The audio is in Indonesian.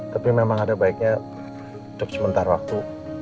tapi memang ada baiknya untuk sementara waktu